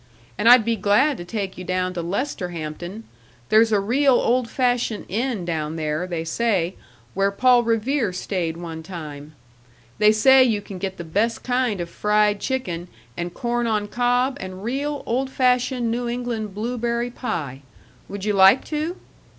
And I'd be glad to take you down to Lesterhampton there's a real old fashioned inn down there, they say, where Paul Revere stayed one time; they say you can get the best kind of fried chicken and corn on cob and real old fashioned New England blueberry pie. Would you like to?"